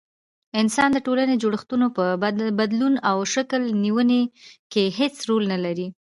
انسان د ټولني د جوړښتونو په بدلون او شکل نيوني کي هيڅ رول نلري